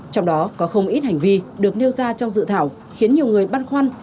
trong đó có không ít hành vi được nêu ra trong dự thảo khiến nhiều người băn khoăn